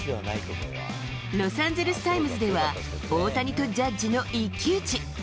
ロサンゼルスタイムズでは、大谷とジャッジの一騎打ち。